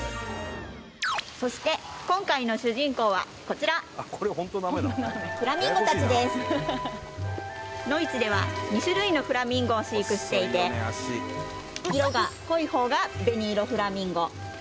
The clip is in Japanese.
そして今回の主人公はこちらのいちでは２種類のフラミンゴを飼育していて色が濃い方がベニイロフラミンゴ